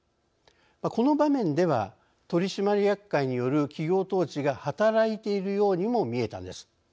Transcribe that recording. この場面では取締役会による企業統治が働いているようにも見えたのです。